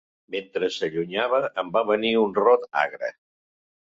Mentre s'allunyava em va venir un rot agre.